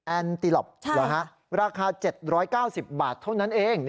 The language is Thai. แอนติล็อปเหรอคะราคา๗๙๐บาทเท่านั้นเองใช่